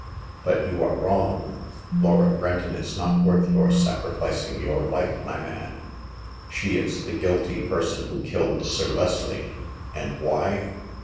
But you are wrong. Laura Benton is not worth your sacrificing your life, my man. She is the guilty person who killed Sir Leslie. And why